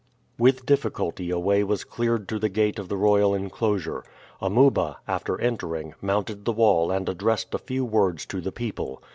With difficulty a way was cleared to the gate of the royal inclosure. Amuba, after entering, mounted the wall and addressed a few words to the people.